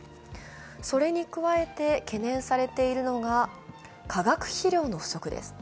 それに加えて懸念されているのが化学肥料の不足です。